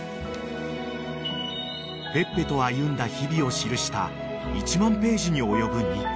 ［ペッペと歩んだ日々を記した１万ページに及ぶ日記］